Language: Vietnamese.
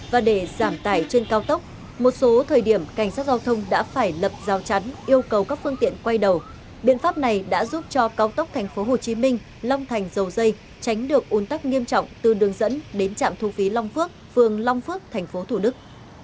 và để giảm tải trên cao tốc một số thời điểm cảnh sát giao thông đã phải lập rào chắn yêu cầu các phương tiện quay đầu biện pháp này đã giúp cho cao tốc tp hcm long thành dầu dây tránh được un tắc nghiêm trọng từ đường dẫn đến trạm thu phí long phước phường long phước tp thủ đức